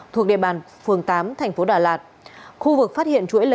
thuộc địa bàn phường tám thành phố đà lạt